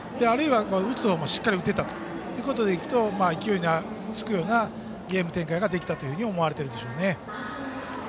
打つほうもしっかり打てたということでいくと勢いがつくようなゲーム展開ができたと思われるでしょうね。